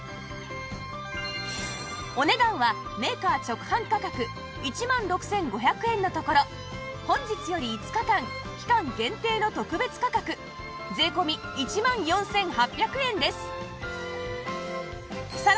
お値段はメーカー直販価格１万６５００円のところ本日より５日間期間限定の特別価格税込１万４８００円です